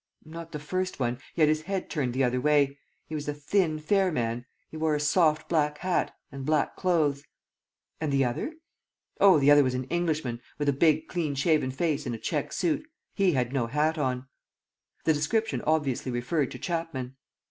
"Not the first one. He had his head turned the other way. He was a thin, fair man. He wore a soft black hat ... and black clothes." "And the other?" "Oh, the other was an Englishman, with a big, clean shaven face and a check suit. He had no hat on." The description obviously referred to Chapman.